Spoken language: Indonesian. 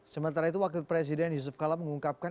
sementara itu wakil presiden yusuf kala mengungkapkan